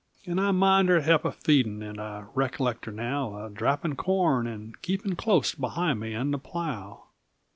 And I mind her he'p a feedin' And I recollect her now A drappin' corn, and keepin' Clos't behind me and the plow!